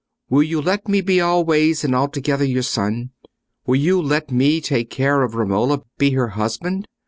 "Will you let me be always and altogether your son? Will you let me take care of Romola—be her husband?